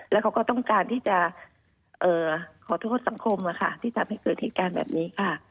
แล้วเขาก็ต้องการที่จะขอโทษสังคมที่ทำให้เกิดเหตุการณ์แบบนี้ค่ะ